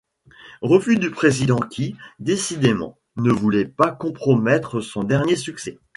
Refus du président qui, décidément, ne voulait pas compromettre son dernier succès.